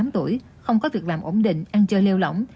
một mươi tám tuổi không có việc làm ổn định ăn chơi leo lỏng